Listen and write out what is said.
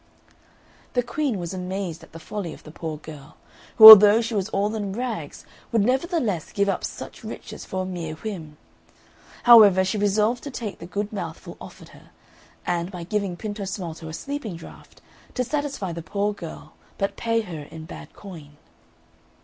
The Queen was amazed at the folly of the poor girl, who although she was all in rags would nevertheless give up such riches for a mere whim; however, she resolved to take the good mouthful offered her, and, by giving Pintosmalto a sleeping draught, to satisfy the poor girl but pay her in bad coin.